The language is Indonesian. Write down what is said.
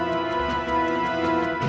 tidak ada apa apa